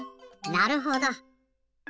なるほど。